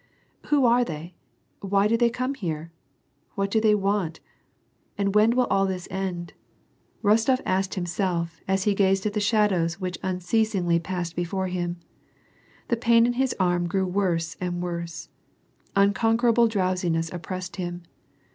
s " Who are they ? Why do they come here ? What do they want ? and when will all this end ?" Rostof asked himself, as he gazed at the shadows which unceasingly passed before him. The pain in his arm grew worse and worse. Unconquerable drowsiness oppressed him.